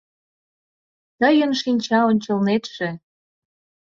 Тыйын шинча ончылнетше